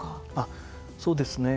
そうですね。